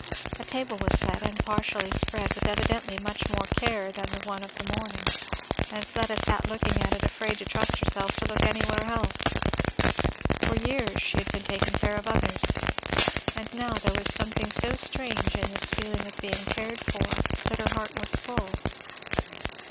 A table was set and partially spread with evidently much more care than the one of the morning; and Fleda sat looking at it afraid to trust herself to look anywhere else. For years she had been taking care of others; and now there was something so strange in this feeling of being cared for, that her heart was full.